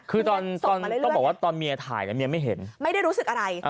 คือตอนต้องบอกว่าตอนเมียถ่ายเมียไม่เห็นไม่ได้รู้สึกอะไร